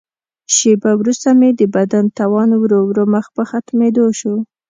شیبه وروسته مې د بدن توان ورو ورو مخ په ختمېدو شو.